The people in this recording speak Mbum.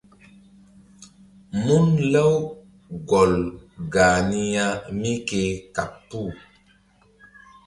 Mun Lawgol gah ni ya mí ke kaɓ puh.